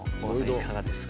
いかがですか？